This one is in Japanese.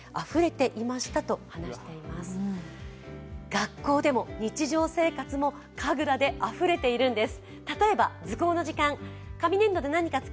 学校でも日常生活も神楽であふれているんです。